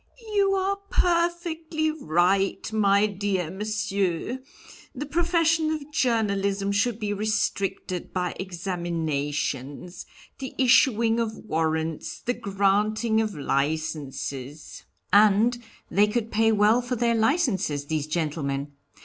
"You are perfectly right, my dear Monsieur, the profession of journalism should be restricted by examinations, the issuing of warrants, the granting of licenses " "And they could pay well for their licenses, these gentlemen.